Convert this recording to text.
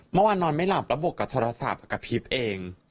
เมื่อวานนอนไม่หลับแล้วบวกกับโทรศัพท์กับพิภเอง